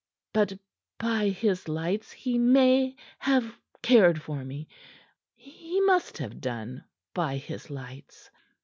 But by his lights he may have cared for me; he must have done, by his lights.